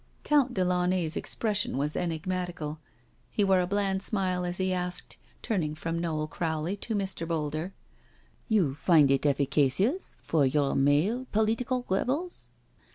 Count de Latmay^s expression was enigmatical. He wore a bland smile as he asked, turning from Noel Crowley to Mr. Boulder: " You find it efficacious for your male political rebels?